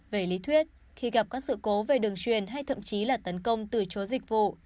về lý thuyết khi gặp các sự cố về đường truyền hay thậm chí là tấn công từ chối dịch vụ